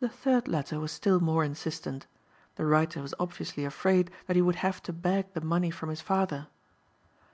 The third letter was still more insistent. The writer was obviously afraid that he would have to beg the money from his father.